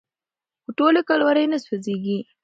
خو ټولې کالورۍ نه سوځېږي.